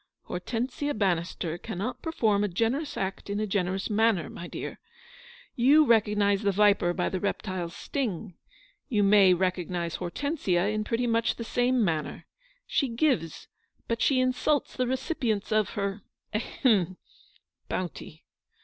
" Hortensia Bannister cannot perform a gene rous act in a generous manner, my dear. You THE ENTRESOL IN THE HUE DE i/aRCHEVEQUE. 27 recognise the viper by the reptile's sting : you may recognise Hortensia in pretty much the same manner. She gives, but she insults the recipients of her — ahem — bounty.